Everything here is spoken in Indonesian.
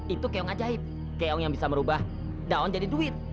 itu keong ajaib keong yang bisa merubah daun jadi duit